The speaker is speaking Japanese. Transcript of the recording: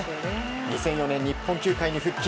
２００４年、日本球界に復帰。